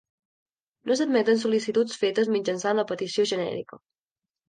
No s'admetran sol·licituds fetes mitjançant la Petició genèrica.